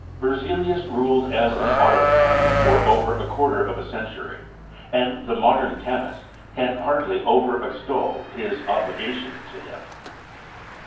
Berzelius ruled as an au tocrat for over a quarter of a century, and the modern chemist can hardly over extol his obligation to him.